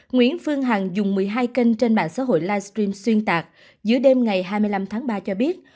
nguyễn phương hằng dùng một mươi hai kênh trên mạng xã hội livestream xuyên tạc giữa đêm ngày hai mươi năm tháng ba cho biết